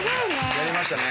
やりましたね。